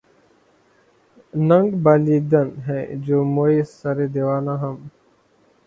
ننگ بالیدن ہیں جوں موئے سرِ دیوانہ ہم